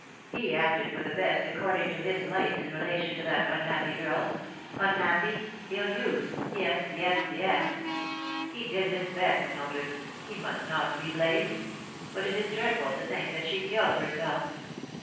He acted for the best according to his lights in relation to that unhappy girl unhappy ill used yes, yes, yes. He did his best, Mildred. He must not be blamed. But it is dreadful to think that she killed herself."